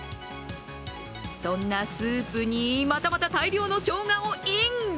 そんなスープに、またまた大量のしょうがをイン。